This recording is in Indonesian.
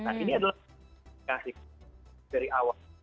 nah ini adalah komunikasi dari awal